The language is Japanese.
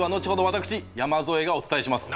私山添がお伝えします。